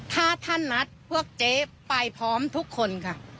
ถ้าท่านนัดพวกเจ๊ไปพร้อมทุกคนค่ะ